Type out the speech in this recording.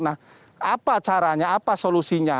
nah apa caranya apa solusinya